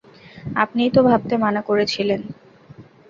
আপনিই তো ভাবতে মানা করেছিলেন!